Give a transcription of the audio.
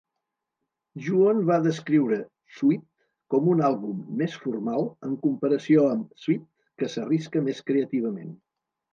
Juon va descriure "Suit" com un àlbum més formal, en comparació amb "Sweat" que s'arrisca més creativament.